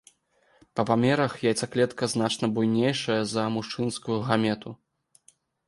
Па памерах яйцаклетка значна буйнейшая за мужчынскую гамету.